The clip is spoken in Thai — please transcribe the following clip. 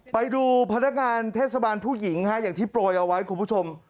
ไปดูพนักงานเทศบาลผู้หญิงอย่างที่โปรยเอาไว้คุณผู้ชม